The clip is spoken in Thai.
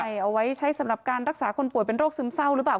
ใช่เอาไว้ใช้สำหรับการรักษาคนป่วยเป็นโรคซึมเศร้าหรือเปล่า